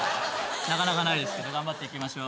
なかなかないですね頑張っていきましょう。